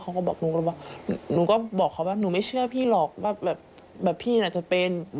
เขาก็บอกหนูก็เลยบอกหนูก็บอกเขาว่าหนูไม่เชื่อพี่หรอกว่าแบบพี่น่าจะเป็น